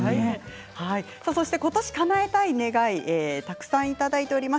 そして、今年かなえたい願いたくさんいただいております。